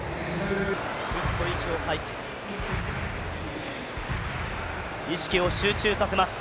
フッと息を吐いて、意識を集中させます。